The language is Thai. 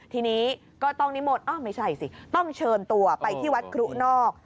ทีนี้ก็ต้องนิมนต์ไม่ใช่สิต้องเชิญตัวไปที่วัดครุนอก